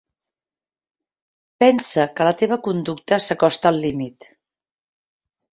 Pensa que la teva conducta s'acosta al límit.